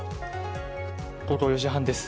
午後４時半です。